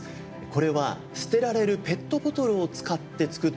これは捨てられるペットボトルを使って作ったゴーちゃん。